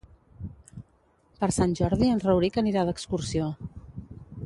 Per Sant Jordi en Rauric anirà d'excursió.